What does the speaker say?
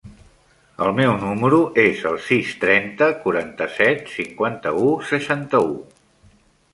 El meu número es el sis, trenta, quaranta-set, cinquanta-u, seixanta-u.